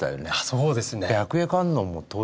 そうなんですね。